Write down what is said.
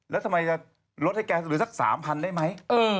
แล้วทำไมลดให้แกสำหรับสัก๓๐๐๐บาทได้ไหม